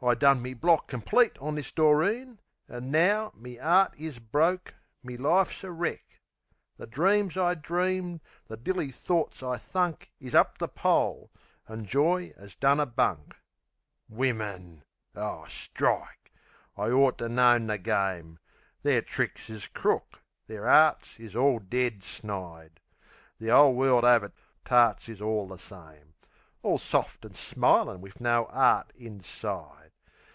I done me block complete on this Doreen, An' now me 'eart is broke, me life's a wreck! The dreams I dreamed, the dilly thorts I thunk Is up the pole, an' joy 'as done a bunk. Wimmin! O strike! I orter known the game! Their tricks is crook, their arts is all dead snide. The 'ole world over tarts is all the same; All soft an' smilin' wiv no 'eart inside.